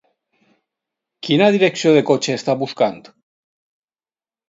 Quina direcció de cotxe està buscant?